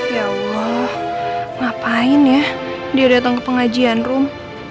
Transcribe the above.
ya allah ngapain ya dia datang ke pengajian rum